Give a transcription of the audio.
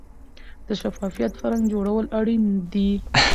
د شفافیت فرهنګ جوړول اړین دي